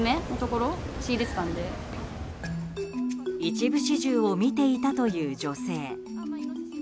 一部始終を見ていたという女性。